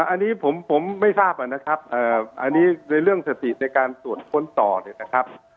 อันนี้ผมไม่ทราบนะครับอันนี้ในเรื่องสติในการตรวจค้นต่อเนี่ยนะครับ